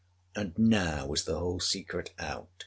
And now is the whole secret out.